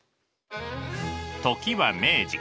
時は明治。